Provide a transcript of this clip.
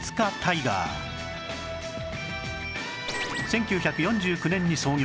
１９４９年に創業